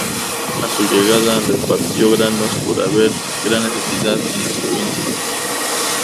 A su llegada repartió granos por haber gran necesidad en la provincia.